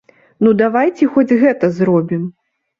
Ну давайце хоць гэта зробім?